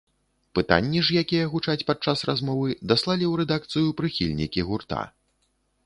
Пытанні ж, якія гучаць падчас размовы, даслалі ў рэдакцыю прыхільнікі гурта.